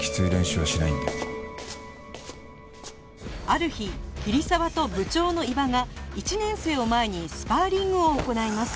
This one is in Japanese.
ある日桐沢と部長の伊庭が１年生を前にスパーリングを行います